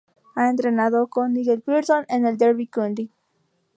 Ha entrenado con Nigel Pearson en el Derby County.